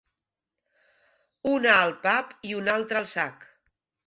Una al pap i una altra al sac.